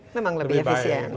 memang lebih efisien